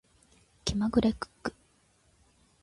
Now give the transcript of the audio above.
気まぐれクック